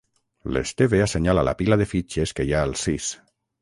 L'Esteve assenyala la pila de fitxes que hi ha al sis.